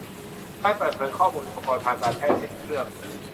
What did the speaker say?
การเปิดเผยข้อมูลอุปกรณ์ทางการแพทย์เช่นเครื่อง